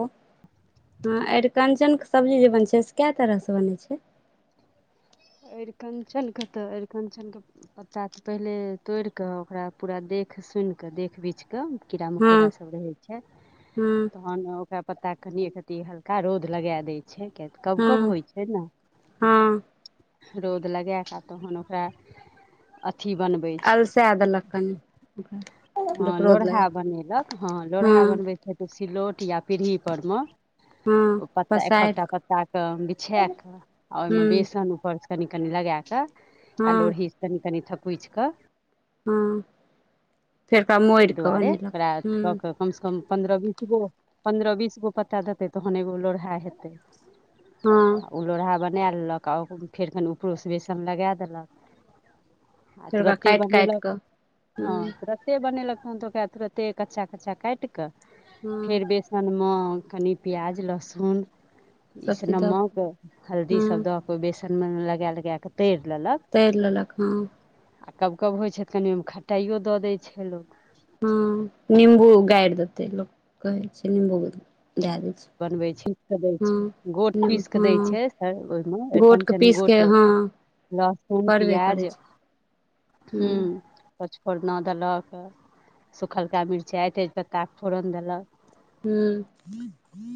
हँ अरिकञ्चनके सब्जी जे बनै छै से कै तरहसँ बनै छै अरिकञ्चनके तऽ अरिकञ्चनके पत्ता तऽ पहिले तोड़ि कऽ ओकरा पूरा देख सुनि कऽ देखि बीछि कऽ त कीड़ा हँ मकोड़ा सब रहै छैय हँ तऽ हन ओकरा पत्ता कनिे एक रति हल्का रौद लगा दै छैय कियाकि तऽ कब कब हँ होइ छैय ने। हँ रौद लगैके तहन ओकरा अथी बनबै छै अलसा देलक कनि। हँ रौद लगा लोढ़हा बनेलक हँ लोढ़हा हँ बनबै छथि तऽ ओ सिलौट या पीढ़हीपर मे हँ ओ पत्ता एखक पसारि टा पत्ता के बिछा क आ हूँ ओहिमे बेसन ऊपरसँ कनि कनि लगाकऽ आर हँ लोढ़ीसँ कनि कनि थकुईछ कऽ हँ फेरका एहि मोरिकऽ दुआरे बनेलक ओकरा कऽ हँ। के कम से कम पंद्रह बीसगो पंन्द्रह बीसगो पत्ता देतै तहन एगो लोरह हा हेतै। हँ ओ लोढ़हा बना लेलक आओर फेर कनि उपरोसँ बेसन लगा देलक। आ फेर ओकरा तुरते काटि काटि बनेलक कऽ हँ हूँ तुरत बनेलकन तऽ ओकरा तुरते कच्चा कच्चा काट कऽ हँ फेर बेस ने मे कनि प्याज लहसुन सब ईस चीज दऽ कऽ नमक हल्दी सब हँ दऽ क बेसनमे लगा लगा कऽ तरि लेलक। तैर लेलक हँ। आ कब कब होइ छैय तऽ कनि ओहिमे खटाइयो दऽ दै छैय लोक। हँ नींबू गारि देतै लोक कहे छैय निम्बू दए दै छैय। बनबै छीटि कऽ दै छैय गोट पीसि कऽ दै हँ छैय ओहिमे गोटके अरििकञ्चन पीस के गोट हँ लहसुन पड़बे पियाज करै छै हू। हूँ पचफोरना देलक सुखलका मिरचाइइत अछि पत्ताके फोरन देलक। हुँ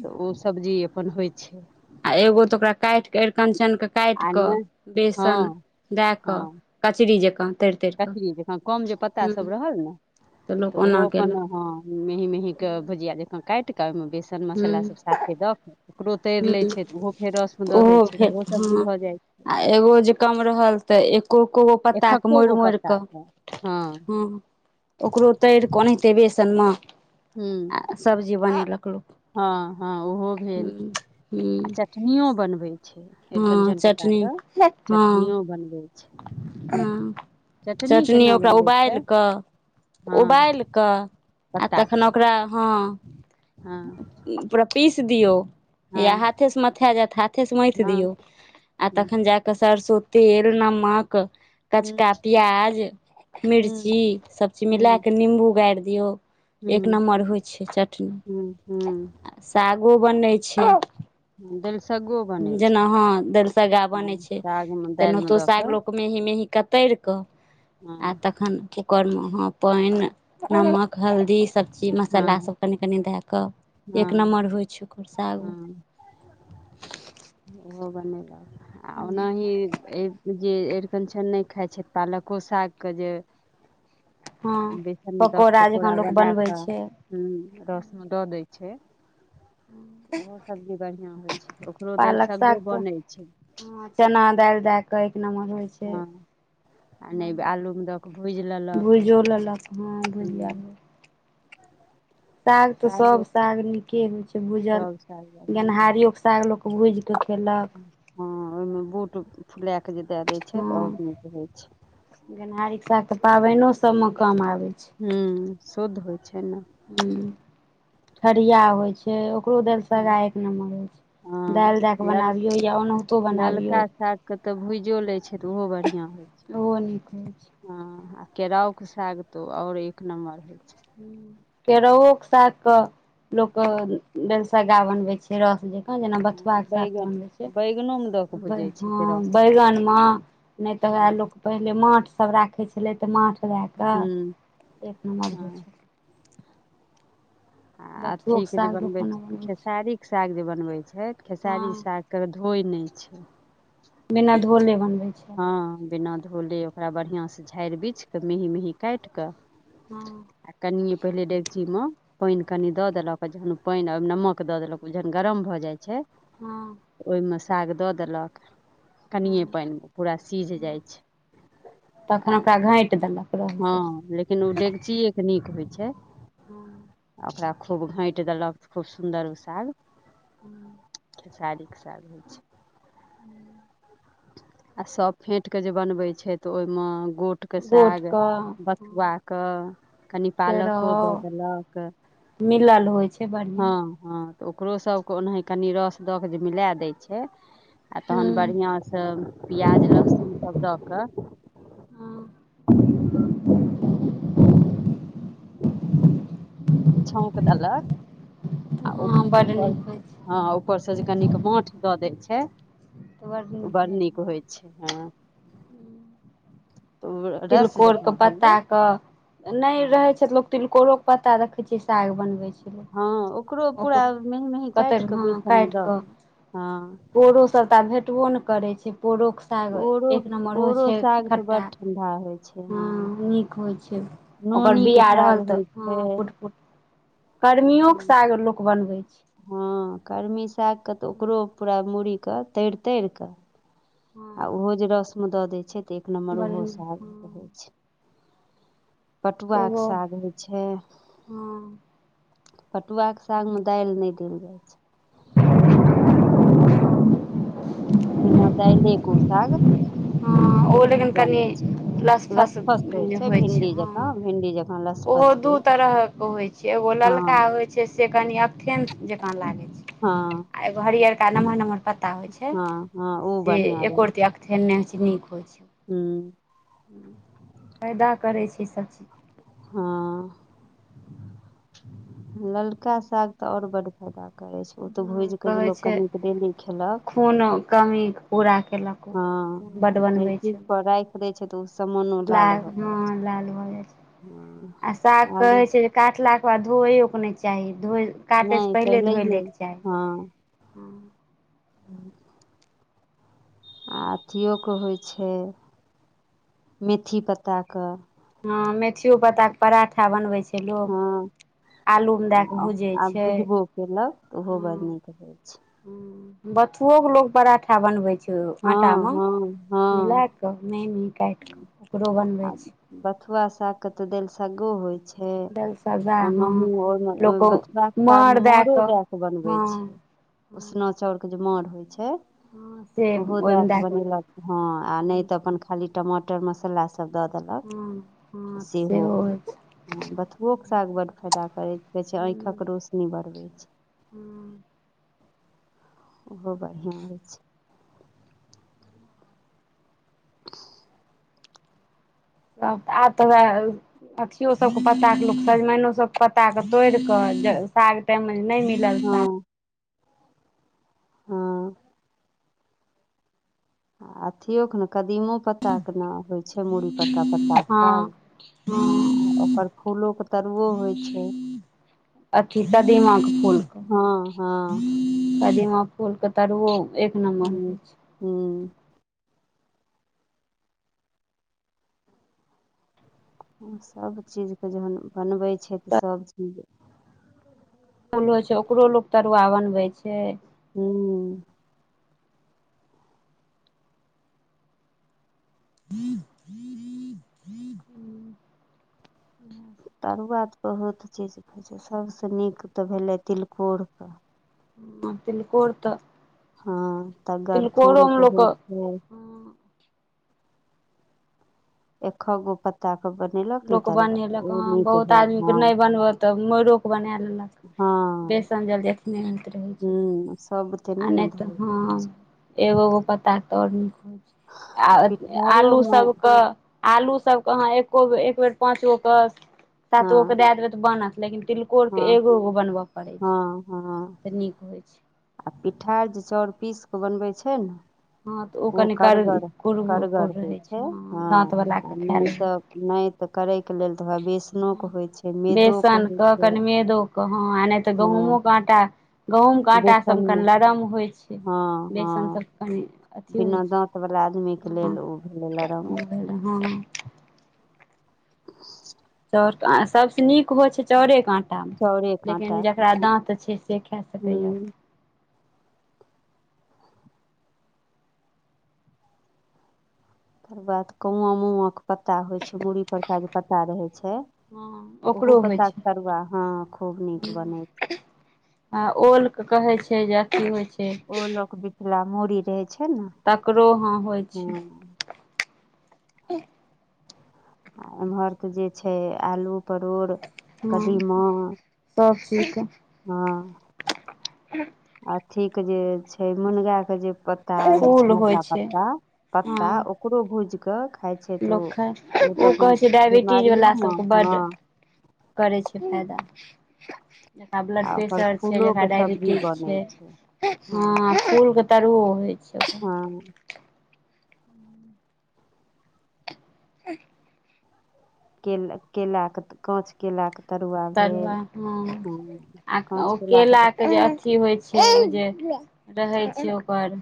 तऽ ओ सब्जी अपन होइ छैय। आ एगो तऽ ओकरा काटि कऽ अरिकंचनकेँ काटि आ कऽ नहि बेसन हँ दए कऽ हँ कचरी जँकाँ तरि तर कऽ ककड़ी जकाँ कम जे पत्ता सब ह्म रहल ने तऽ ओहो अपन ह मेहीं मेहीं के हूँ भुजिया द त काटि कऽ ओहिमे बेसन मसला सब साथे दऽ कऽ ओकरो तैर लै हूँ छैय तऽ ओहो फेर रस्म दऽ दै ओहो छैय। भेल हँ आ एगो जे कम रहल तऽ एक को को गो छै पत्ता के एकहक्को मोड़ि गो मोड़ कऽ पत्ताके हँ। ओकरो तैर के ओनाहिते बेसन म हूँ सब्जी बनेलक लोक। हँ हँ ओहो हूँ भेल हूँ आ चटनियो बनबै छैय। हँ चटनी हँ। बनबै छैय। हाँ चटनी केना ओकरा बनबै छै उबालय क हँ उबालय कऽ आ तखन पत्ताके ओकरा हँ। हँ पूरा पीस दियो या हँ हाथे से मथा जायत हाथ हाथे से मथि हँ दियौ आ हूँ तखन जा कऽ सरसो तेल नमक कचका हूँ प्याज मिर्ची हूँ सभचीज मिला हूँ कऽ निम्बू गारि दियौ। एक हूँ नमबर होइ छैय चटनी हूँ आ सागो बनै छैय। हूँ दलिसग्गो बनै छै जेना हँ दरसगा हँ बनै छैय सागमे दालिमे तेनाहितो दऽ साग कऽ मेही मेही कतर कऽ आ हँ तखन करने हाँ पानय नमक हल्दी सब चीज हँ मसाला सब कनि कनि दए के एक नम्बर होइ छैय ओकर सागो। ओ बनेलक आ ओनाही जे अरिकनछन नहि खाइ छै पालको साग के जे हँ बेसन मे दोके जकाँ पकौड़ा लोक बनाए बनबै के छै रसमे ददेए छै ओहो सब्जी बढ़िया होइ छै ओकरो देल सगो बनै छै हाँ चना दाल दए के एक नंबर होय छै हँ आ नहि आलू मे दोके भूज लेलक भुजियो लेलक हँ भुजिया हुँ भेल साग तऽ सब सागो साग निके होय छै भूजल सब साग बढ़िआँ रहै छै गेनहारियो साग लोक भुजिके खेलक हँ ओहिमे बूट फुला कऽ जे दए दै छै तऽ और नीक होइ छै गेनहारी साग त पाबनो सब में काम आबे छै हूँ शुद्ध होइ छै ने हुँ ठरिया होइ छै ओकरो दाइल सगा एक नम्बर होइ छै दाल हँ दए कऽ लल बनाबियौ या ओनाहितो ललका बनाबियौ सागके तऽ भुजियो लै छै तऽ बढ़िआँ होइ छै ओहो निक होै छै हँ आ केराउके साग तऽ और एक नम्बर होइ छै केराओ के साग के लोक दलसगा बनवे छै केराओ के जेना बथुआ हँ के साग बैगन बनबै बैगनोमे दऽ कऽ छै भुजै छै हँ केराउ सागके बैगनम नहि तऽ उ हँ है लोक पहिले माठसभ राखै छलै तऽ माठदए के हूँ एक नम्बर हँ होइ छै आ अथी बथुओके के जे साग लोक बनबै कोना छी छै खेसारी साग जे बनबै छै खेसारी हँ साग के धोय नहि छै बिना धोले बनबे छै हँ बिना धोले ओकरा बढ़िया से झाड़ि बिछकेऽ मेहीँ मेहीँं कटि क हँ आ कनिए पहिले डेकची मे पैनय कनि दो देलक आ जखन ओ पैनय नमक द देलक ओ जखन गरम भऽ जाइ छै हँ ओह मे साग दो देलक कनिए हँ पैनय मे पूरा सिझ जाइ छै आ घांट‌ए देलक सभसँ हँ लेकिन ओ डेगचिए के नीक होइ छै हूँ ओकरा खूब घाट‌ए देलक खूब सुन्दर ओ साग हुँ खेसारीके साग होइ छै हुम् आ सब फेट के जे बनबै छै तऽ ओहिमे गोट गोटके गोट साग कऽ बथुआ कऽ कनि के पालको रहौ दऽ देलक मिलल होइ छै हँ बढ़िआँ हँ तऽ ओकरो सबके ओनाहि कनी रस द के जे मिला देय छै आ तहन हूँ बढ़ियां सभ पियाज लहसुन सब दऽ कऽ हँ ह [inaudible] छैउंक देलक आ बड्ड ओकर नीक होइ छै हँ ऊपरसँ जे कनिक माठ दऽ दै छै तऽ बड्ड बड़ भेल नीक होइ छै हँ तऽ ओ रस तिलकोर के जकाँ पत्ता भेलै क नहि हँ रहै छथि लोक तिलकोरो पता देखेय छी साग बनवे छै हँ पूरा ओकरो हँ मेहींँ मेहींँ काटि कतैर कऽ बेसनमे काटीकें दऽ हाँ कऽ हँ पोरो सभटा भेटबो नहि करै छै पोरोक साग पोरो एक नम्बर होय पोरो छै साग तऽ खट्टा बड ठंडा होइ छै हँ नीक होइ छै ओकर नोनी के बिया साग रहल तऽ होइ छै ह पुट पुट कर्मियो के साग लोक बनबै छै हँ कर्मी सागके तऽ ओकरो पूरा मूड़ीके तोर तोर कऽ आ हँ ओहो जे रस्मे दऽ दै छै तऽ एक नम्बर बड़ ओहो सागै हँ छै पटुआके एगो साग होइ छै हँ पटुआ के साग में दालि नै देल जाय छै बिना दाइले के उ साग हँ ओ लेकिन कनि बनै छै लसफस होइ छै भिंडी जकाँ भिंडी जक ओहो दू तरह के होइ छै एगो हँ ललका होय छै से कनि अकथेन जकाँ लागे हँ छै आ एगो हरियरका नमहर नम्हर पत्ता होइ छै हँ हँ ओ से बढ़िआँ एको रति अकथेन खेने जे नीक होइ छै हुँ फायदा करै छै ई सभचीज हँ [inaudible] ललका साग तऽ आओर बड्ड फायदा करैत छै ओ तऽ चीज भूज के जे लोक जे कनिक डेली खेलक खूनो कमीके पूरा कलक खूब बड्ड हँ जे बनबै चीज छै राखि दै छै तऽ ओ समान लाल हँ लाल भऽ जाइ हँ छै आ साग आलू कहै छै काटलाके बाद धोइयोकके नहि चाही धो काटैसँ नहि पहिले धोइ पहिलैये लैके चाही हँ आ अथियोके होइ छै मेथी पत्ताके हँ मेथियो पत्ता के पराठा बनबै छै छै हँ लोक आलूमे दए कऽ आ भुजै आ छै भुजबो केलक तऽ ओहो बढिया नीक रहै छै ह बथुओके लोक पराठा बनबै छै हँ आटामे हँ हँ मिला कऽ मेहिं मेहिं काटिकऽ ओकरो आ बनबै छी बथुआ सागके तऽ दालि सगो होइ छै छै दालि सब्जा हँ ओनाहु ओहिमे लोक बथुआके सागमे मांरो दए कऽ बनबै हँ छै हँ उसना चाउरके जे मांर होइ छै हँ से ओहो दए ओहिमे कऽ बनेलक हँ आ नहि हँ तऽ अपन खाली टमाटर मसाला सभ दऽ हँ देलक हँ सेहो होइ भेल छै हँ बथुओके साग बड्ड फायदा करै छै कहै छै आँखिक रोशनी बढ़बै छै हुँ ओहो बढ़िआँ होइ छै [inaudible] तब आब तऽ उहे अथियो सबके पत्ता कऽ लोक सजमनिनो सभ पत्ता कऽ तोड़ कऽ साग टाइम मे नहि मिल हँ हँ अथियो के ने कदीमो पत्ताके ने होइ छै मुड़ी परका पत्ताक हँ साग हँ हॅं ओकर फूलोके तरुओ होइ छै अथि कदीमाक फुलके हँ हँ कदीमा फूलके तरुओ एक नम्बर हूँ होइ छै हूँ सभचीजके जहन बनबै छै तऽ सभचीज फूल होइ छै ओकरो लोग तरुआ बनबे छै हूॅं [inaudible] तरुआ तऽ बहुत चीज होइ छै सभसँ नीक तऽ भेलै तिलकोरके ह तिलकोर तऽ हँ तिलकोरोमे तगरफूलके लोक होइ छै हँ एक खगो पत्ता कऽ लोक बनेलक हँ बहुत हँ आदमीके नहि बनबै तऽ मोर कऽ बना लेलक हँ बेसन जलदीखने होइत रहै छै हूँ सब बुते आ ने नहि तऽ धरैके रहै हँ छै एगो गो पत्ता तर मे आ आलू सभके आलू अहाँ एक्को बेर एक पाँच गो कऽ। सात हँ गोके दए देबै तऽ बनत, लेकिन तिलकोरके हँ एगो गो बनबय पड़ै छै। हँ हँ तऽ नीक होइ छै आ पिठार जे चाउर पीस कऽ बनबै छै ने। हँ तऽ ओ कनि कर करगर कुर कुर करगर होइ रहै छै हँ, आ दाँतवलाके खाए नहि लेबै तऽ। नहि तऽ करैके लेल तऽ ओ बेसनोक होइत छै, मैदोक होइत छै। कहाँ आ तऽ हँ गेहूँक आटा, गेहूँम कऽ आटा सभके बेसनमे लरम होइ छै, हँ बेसन हँ सभ। अ [unintelligible] बिना दाँतवला आदमीके लेल ओ भेलै लरम। हाँ [unintelligible] ओर सभ सँ नीक होइ छै चाउरक आटा। चाउरे लेकिन काँटाके हँ जेकरा दाँत छै से खा सकैया। हूँ तकर बाद कुआँ मुआँके पत्ता होइ छै, मुड़ी पर का जे पत्ता रहै छै। हँ ओहो ओकरो होइ पत्ता कऽ छै तरुआ खूब नीक बनै छै। हँ, ओल के कहै छै जे अथि होइ छै। ओलोक बिथिला मूड़ी रहै छै ने। तकरो हाँ होइ छै। हँ आ एम्हर तऽ जे छै आलू। परोड़ हँ कदीमा सभ चीजके हाँ। अथीके जे छै, मुनगाके जे प। पत्ता रहै छै, फूल होइ नवका छै पत्ता। पत्ता हँ ओकरो भुजिकऽ। लोक ओ कहै छै डायबिटीजवला सभके बीमारियोमे हँ बड़। करै छै फायदा। जकरा ब्लड आ ओकर प्रेशर छै, जकरा फूलोके सब्जी डायबिटीज बनै छै, हँ फूल के। तरुआ होइ छै ओकर। हँ ह [unintelligible] केला, केलाक काँच केला क। तरुआ ह, आ काँच ओ केलाके तऽ केलाक जे। की होइ छै ओ जे रहै छै ओकर।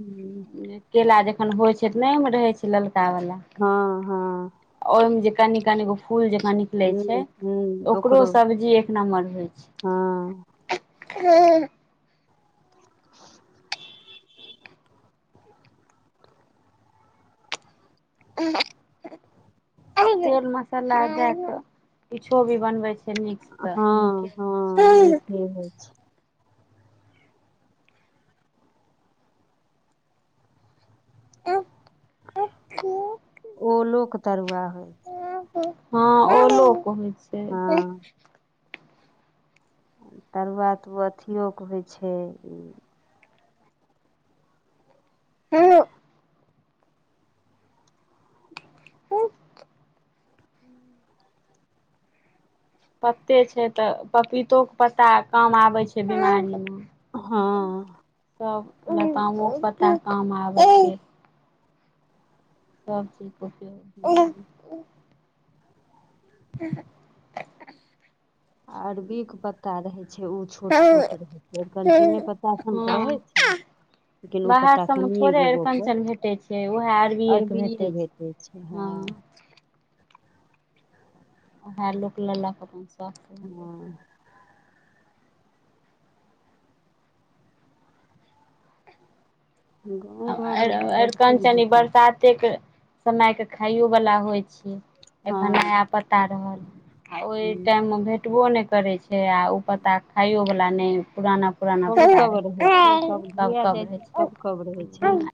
हूँ केला जखन होइ छै तऽ नहिमे रहै छै ललका वाला। हँ हँ औ जे कनीको फूल जका निक। नऽ लै छै, हूँ हूँ ओकरो सब्जी एक नम्बर हँ होइ छै। [unintelligible] [inaudible] [unintelligible] तेल मसाला दऽ कऽ किछुओ बनबै छै, नीक। तऽ [unintelligible] ह ओलोक तरुआ हय हँ ओलोक होइ छै हँ तरुआ तऽ अथिोके होइ छै ई। [unintelligible] ह पत्ते छै तऽ पपीतोके पत्ता काम आबै छै बिमारिमे। हँ [unintelligible] पता काम आबै छै सब चीज उपय ह अरबीके पत्ता रहै छै उ छोट हँ छोट रहैय छै अरकंचने पत्ता सनके बाहर रहैय छै हूँ लेकिन ऊ पत्ता सबमे कनिए थोड़े गो गो कऽ अरिकंचन भेटै छै उएह अरबिएके अरबिए भेटै छै भेटैय छै हँ ओएह लोक लेय लऽ कऽ अपन साग केने जाय छैय हँ गाँव घरमे तऽ सभचीज आरकंचन भेटै छै। बरसाते के समय के खाइयो वाला होइ छै एखन हँ नया पत्ता रहल आ ओहि टाइम मे भेटबो नइ करै छै छै आ ऊ पत्ता खाइयोवला नइ पुराना पुराना कब पता कब रहै छै कब जुआ जाइ कब रहै तऽ छै कब कब रहै छै ने